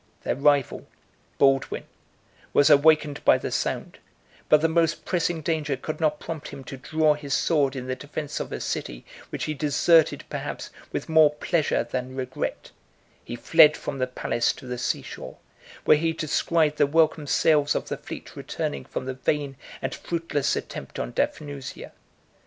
Their rival, Baldwin, was awakened by the sound; but the most pressing danger could not prompt him to draw his sword in the defence of a city which he deserted, perhaps, with more pleasure than regret: he fled from the palace to the seashore, where he descried the welcome sails of the fleet returning from the vain and fruitless attempt on Daphnusia.